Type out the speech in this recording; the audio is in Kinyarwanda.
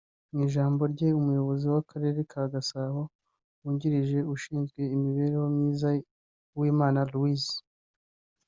Mu ijamborye Umuyobozi w’Akarere ka Gasabo Wungirije ushinzwe imibereho myiza Uwimana Louise